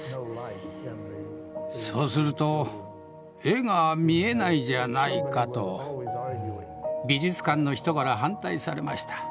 そうすると「絵が見えないじゃないか」と美術館の人から反対されました。